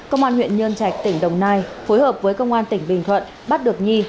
công an huyện nhân trạch tỉnh đồng nai phối hợp với công an tỉnh bình thuận bắt được nhi